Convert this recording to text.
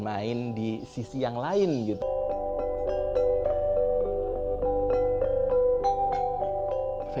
apa yang terjadi ketika fashion di indonesia bergantian dengan karya